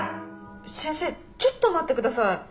先生ちょっと待ってください。